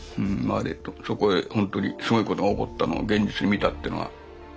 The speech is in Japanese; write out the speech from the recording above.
そこでほんとにすごいことが起こったのを現実に見たってのは。